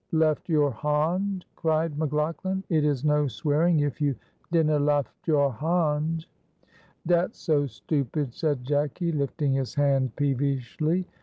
"Left your hond," cried McLaughlan. "It is no swearing if you dinna left your hond." "Dat so stupid," said Jacky, lifting his hand peevishly.